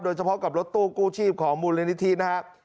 เฉพาะกับรถตู้กู้ชีพของมูลนิธินะครับ